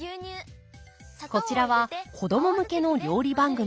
こちらは子供向けの料理番組。